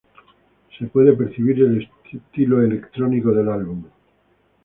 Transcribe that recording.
Se puede percibir el estilo electrónico del álbum.